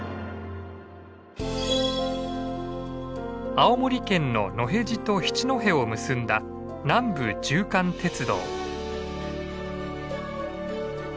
青森県の野辺地と七戸を結んだ南部縦貫鉄道。